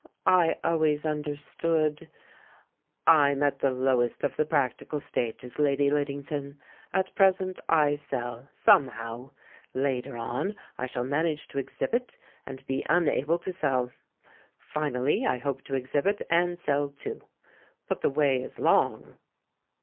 I always understood " "I'm at the lowest of the practical stages. Lady Liddington. At present I sell — somehow ! Later on I shall manage to exhibit, and be unable to sell. Finally I hope to exhibit and sell, too. But the way is long."